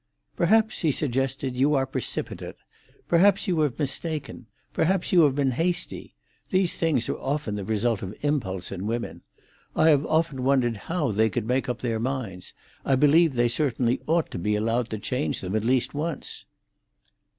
"Perhaps," he suggested, "you are precipitate; perhaps you have mistaken; perhaps you have been hasty. These things are often the result of impulse in women. I have often wondered how they could make up their minds; I believe they certainly ought to be allowed to change them at least once."